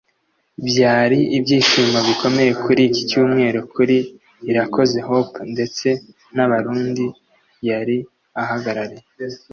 Byari ibyishimo bikomeye kuri iki cyumweru kuri Irakoze Hope ndetse n’abarundi yari ahagarariye